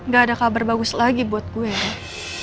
gak ada kabar bagus lagi buat gue ya